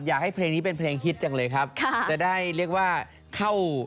อยากให้เพลงนี้เป็นเพลงฮิตจังเลยครับค่ะจะได้เรียกว่าเข้า